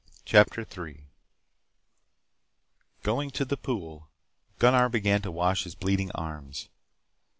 CHAPTER 3 Going to the pool, Gunnar began to wash his bleeding arms.